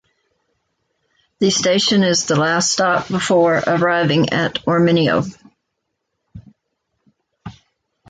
The station is the last stop before arriving at Ormenio.